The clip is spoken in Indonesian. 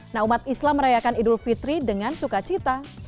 nah umat islam merayakan idul fitri dengan suka cita